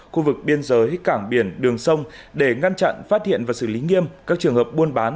khu vực biên giới cảng biển đường sông để ngăn chặn phát hiện và xử lý nghiêm các trường hợp buôn bán